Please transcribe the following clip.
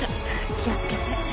気をつけて。